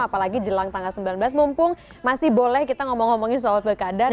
apalagi jelang tanggal sembilan belas mumpung masih boleh kita ngomong ngomongin soal pilkada